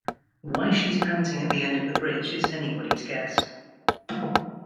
Why she's panting at the end of the bridge is anybody's guess.